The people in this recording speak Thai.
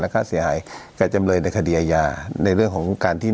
ค่าเสียหายกับจำเลยในคดีอาญาในเรื่องของการที่